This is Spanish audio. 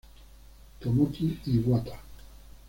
Tomoki Iwata